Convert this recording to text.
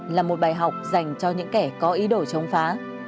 là một bài học dành cho những kẻ có ý đồ chống phá